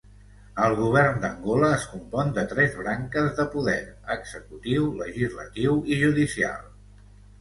El govern d'Angola es compon de tres branques de poder: executiu, legislatiu i judicial.